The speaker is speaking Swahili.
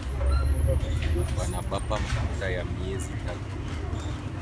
Bana bapa makuta ya myezi tatu